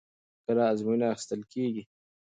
کله ازموینه اخیستل کېږي؟